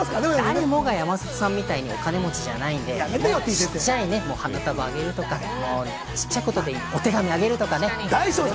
誰もが山ちゃんみたいに、お金持ちじゃないんで、ちっちゃい花束をあげるとか、例えばお手紙をあげるとか。